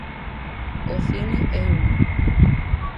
O cine é un.